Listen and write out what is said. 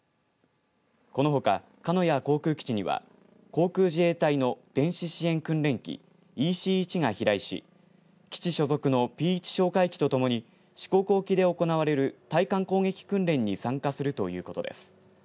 このほか、鹿屋航空基地には航空自衛隊の電子支援訓練機ＥＣ１が飛来し基地所属のＰ１哨戒機とともに四国沖で行われる対艦攻撃訓練に参加するということです。